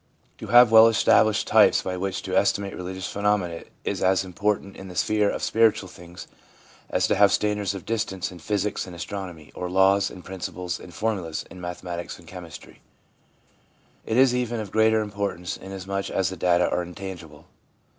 To have well established types by which to estimate religious phenomena is as important in the sphere of spiritual things as to have standards of distance in physics and astronomy, or laws and principles and formulas in mathematics and chemistry. It is of even greater importance, inasmuch as the data are intangible.